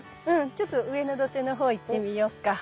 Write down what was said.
ちょっと上の土手のほう行ってみよっか。